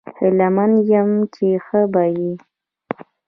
هیله مند یم چې ښه به یې